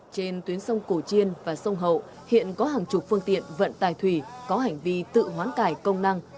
trên tuyến sông cổ chiên và sông hậu hiện có hàng chục phương tiện vận tài thủy có hành vi tự hoán cải công năng